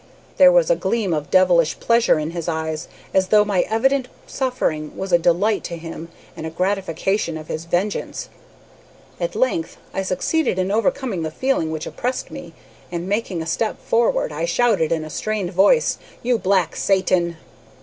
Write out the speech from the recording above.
There was a gleam of devilish pleasure in his eyes, as though my evident suffering was a delight to him and a gratification of his vengeance. At length I succeeded in overcoming the feeling which oppressed me, and, making a step forward, I shouted in a strained voice, "'You black Satan!'